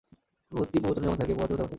ভক্তি প্রবচনে যেমন থাকে, পোহাতে ও তেমন থাকে।